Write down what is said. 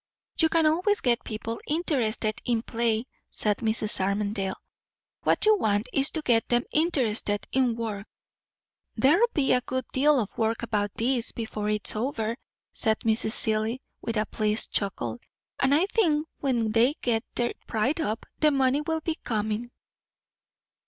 "You can always get people interested in play," said Mrs. Armadale. "What you want, is to get 'em interested in work." "There'll be a good deal of work about this, before it's over," said Mrs. Seelye, with a pleased chuckle. "And I think, when they get their pride up, the money will be coming."